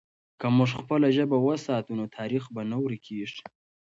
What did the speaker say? که موږ خپله ژبه وساتو، نو تاریخ به نه ورکېږي.